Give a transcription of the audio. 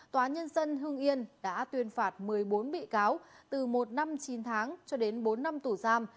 tòa nhân dân hương yên đã tuyên phạt một mươi bốn bị cáo từ một năm chín tháng cho đến bốn năm tù giam